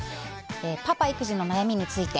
パパ育児の悩みについて。